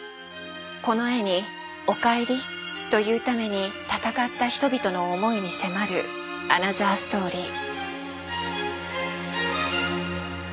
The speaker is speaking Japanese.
この絵に「おかえり」と言うために闘った人々の思いに迫るアナザーストーリー。